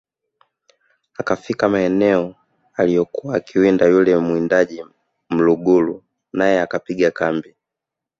akafika maeneo aliyokuwa akiwinda yule muwindaji Mlugulu nae akapiga kambi